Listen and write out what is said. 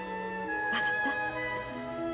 分かった？